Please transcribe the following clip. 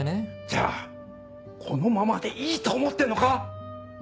じゃあこのままでいいと思ってるのか？